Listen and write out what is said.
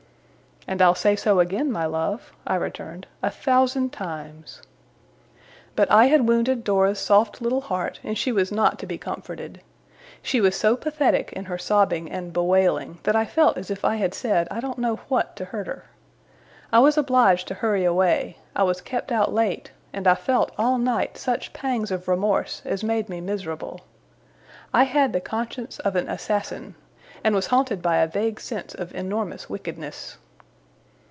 'And I'll say so again, my love,' I returned, 'a thousand times!' But I had wounded Dora's soft little heart, and she was not to be comforted. She was so pathetic in her sobbing and bewailing, that I felt as if I had said I don't know what to hurt her. I was obliged to hurry away; I was kept out late; and I felt all night such pangs of remorse as made me miserable. I had the conscience of an assassin, and was haunted by a vague sense of enormous wickedness.